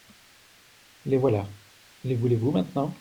Les voilà ; les voulez-vous maintenant ?